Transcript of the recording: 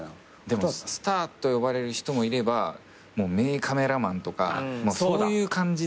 でもスターと呼ばれる人もいれば名カメラマンとかそういう感じ